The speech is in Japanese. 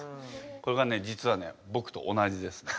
これがね実はねぼくと同じです。え！？